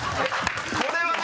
これは何？